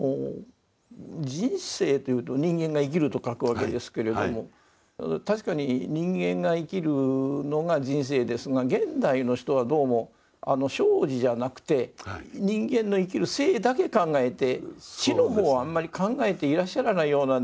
人生というと人間が生きると書くわけですけれども確かに人間が生きるのが人生ですが現代の人はどうも生死じゃなくて人間の生きる生だけ考えて死の方はあんまり考えていらっしゃらないようなんですが。